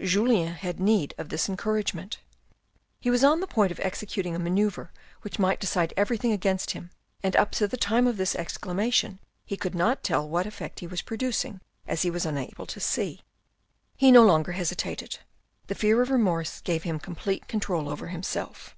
Julien had need of this encourage ment. He was on the point of executing a manoeuvre which might decide everything against him ; and up to the time of this exclamation he could not tell what effect he was producing as he was unable to see. He no longer hesitated. The fear of remorse gave him complete control over himself.